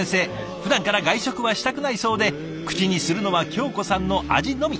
ふだんから外食はしたくないそうで口にするのは京子さんの味のみ。